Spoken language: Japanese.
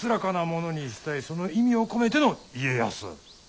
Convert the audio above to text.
その意味を込めての「家康」。